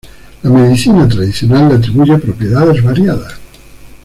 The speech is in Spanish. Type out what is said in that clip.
La medicina tradicional le atribuye propiedades variadas.